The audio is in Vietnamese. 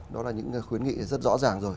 đó là những khuyến nghị rất rõ ràng rồi